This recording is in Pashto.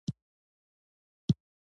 د دنیا قیمتي موټر له دوی سره وي.